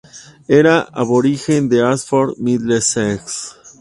Era aborigen de Ashford, Middlesex.